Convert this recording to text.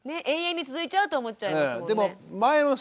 永遠に続いちゃうと思っちゃいますもんね。